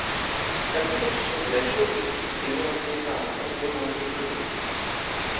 Sa conception de la géopolitique est nuancée par les propos d'André Brigot.